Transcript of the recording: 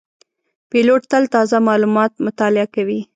پیلوټ تل تازه معلومات مطالعه کوي.